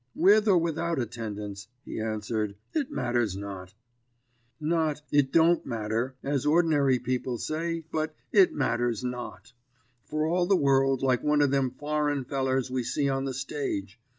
"'With or without attendance,' he answered; 'it matters not.' "Not 'It don't matter,' as ordinary people say, but 'It matters not,' for all the world like one of them foreign fellers we see on the stage.